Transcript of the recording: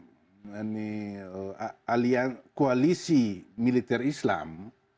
kemudian ketika saudi membentuk koalisi militer islam